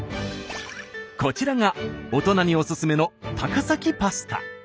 こちらが大人におすすめの高崎パスタ。